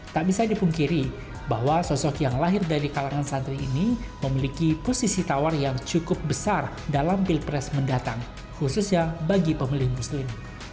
tak bisa dipungkiri bahwa sosok yang lahir dari kalangan santri ini memiliki posisi tawar yang cukup besar dalam pilpres mendatang khususnya bagi pemilih muslim